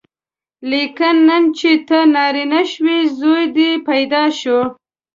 لیکن نن چې ته نارینه شوې زور دې پیدا شو.